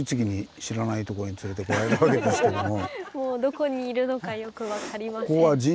もうどこにいるのかよく分かりません。